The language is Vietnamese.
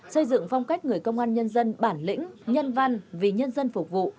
xây dựng phong cách người công an nhân dân bản lĩnh nhân văn vì nhân dân phục vụ